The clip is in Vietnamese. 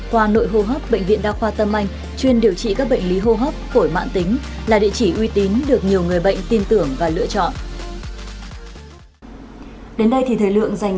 khoa nội hô hấp bệnh viện đa khoa tâm anh chuyên điều trị các bệnh lý hô hấp phổi mạng tính là địa chỉ uy tín được nhiều người bệnh tin tưởng và lựa chọn